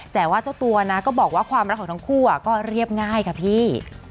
แต่ว่าเจ้าตัวนะก็บอกว่าความรักของทั้งคู่ก็เรียบง่ายค่ะพี่